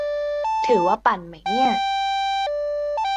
ถือว่าปั่นไหมเนี่ย ?